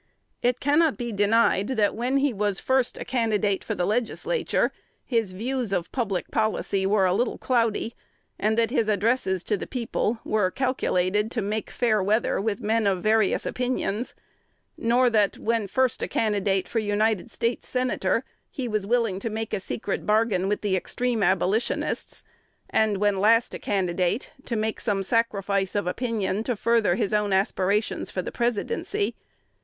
It cannot be denied, that, when he was first a candidate for the Legislature, his views of public policy were a little cloudy, and that his addresses to the people were calculated to make fair weather with men of various opinions; nor that, when first a candidate for United States Senator, he was willing to make a secret bargain with the extreme Abolitionists, and, when last a candidate, to make some sacrifice of opinion to further his own aspirations for the Presidency.